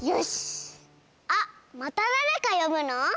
あっまただれかよぶの？